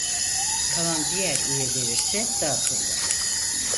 Kalan diğer üyeler ise dağıtıldı.